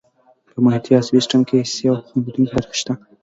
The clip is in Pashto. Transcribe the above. په محیطي عصبي سیستم کې حسي او خوځېدونکي برخې شته.